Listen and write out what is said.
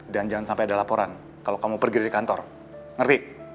jangan sampai ada laporan kalau kamu pergi dari kantor ngerti